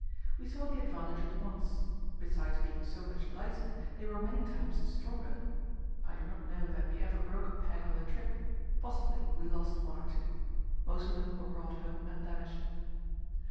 We saw the advantage at once. Besides being so much lighter, they were many times stronger. I do not know that we ever broke a peg on the trip; possibly we lost one or two. Most of them were brought home undamaged.